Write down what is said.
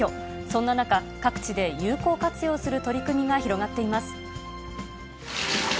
そんな中、各地で有効活用する取り組みが広がっています。